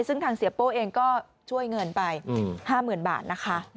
ซึ่งทางเสียโป้เองก็ช่วยเงินไป๕๐๐๐บาทนะคะ